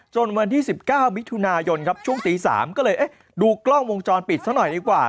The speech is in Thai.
วันที่๑๙มิถุนายนครับช่วงตี๓ก็เลยเอ๊ะดูกล้องวงจรปิดซะหน่อยดีกว่า